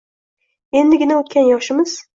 Endigina o’tgan yoshimiz